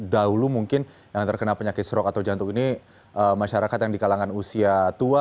dahulu mungkin yang terkena penyakit strok atau jantung ini masyarakat yang di kalangan usia tua